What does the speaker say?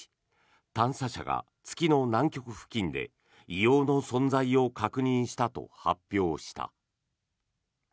探査車が月の南極付近で硫黄の存在を確認したと発表した。